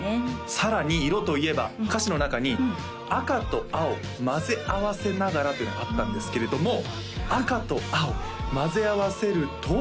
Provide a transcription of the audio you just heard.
さらに色といえば歌詞の中に「赤と青混ぜ合わせながら」というのがあったんですけれども赤と青混ぜ合わせると？